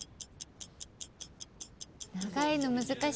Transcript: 長いの難しい。